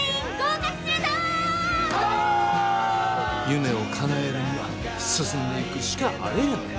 夢をかなえるには進んでいくしかあれへんねん。